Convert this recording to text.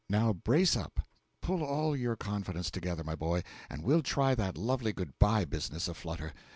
Now brace up; pull all your confidence together, my boy, and we'll try that lovely goodbye business a flutter.